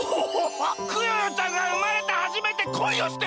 クヨヨちゃんがうまれてはじめて恋をしてるのか！